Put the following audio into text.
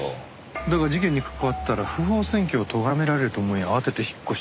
だが事件に関わったら不法占拠をとがめられると思い慌てて引っ越した。